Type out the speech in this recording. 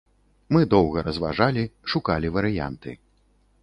Мы доўга разважалі, шукалі варыянты.